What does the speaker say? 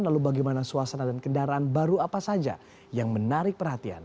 lalu bagaimana suasana dan kendaraan baru apa saja yang menarik perhatian